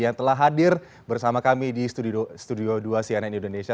yang telah hadir bersama kami di studio dua cnn indonesia